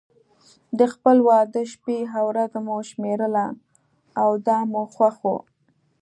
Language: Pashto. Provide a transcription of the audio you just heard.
د خپل واده شپې او ورځې مو شمېرله او دا مو خوښ و.